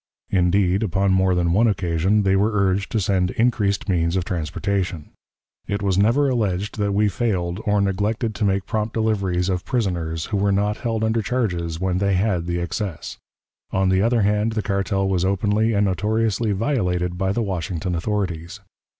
Indeed, upon more than one occasion they were urged to send increased means of transportation. It was never alleged that we failed or neglected to make prompt deliveries of prisoners who were not held under charges when they had the excess. On the other hand, the cartel was openly and notoriously violated by the Washington authorities.